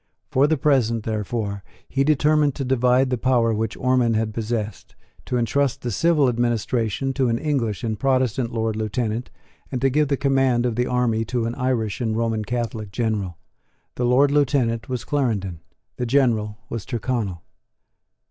For the present, therefore, he determined to divide the power which Ormond had possessed, to entrust the civil administration to an English and Protestant Lord Lieutenant, and to give the command of the army to an Irish and Roman Catholic General. The Lord Lieutenant was Clarendon; the General was Tyrconnel.